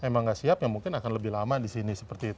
kalau memang tidak siap mungkin akan lebih lama disini